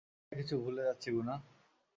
আমরা কিছু ভুলে যাচ্ছি, গুনা।